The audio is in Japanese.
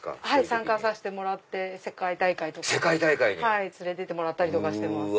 参加させてもらって世界大会とか。連れて行ってもらったりしてます。